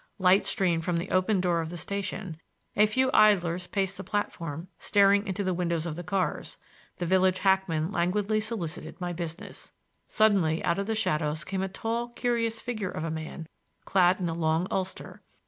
Light streamed from the open door of the station; a few idlers paced the platform, staring into the windows of the cars; the village hackman languidly solicited my business. Suddenly out of the shadows came a tall, curious figure of a man clad in a long ulster.